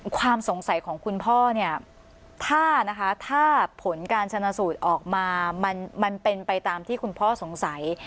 ความสงสัยของคุณพ่อเนี่ยถ้านะคะถ้าผลการชนะสูตรออกมามันเป็นไปตามที่คุณพ่อสงสัย